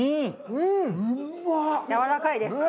やわらかいですか？